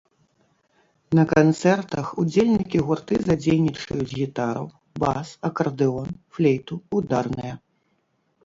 На канцэртах удзельнікі гурты задзейнічаюць гітару, бас, акардэон, флейту, ударныя.